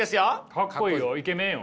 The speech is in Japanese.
かっこいいよイケメンよ。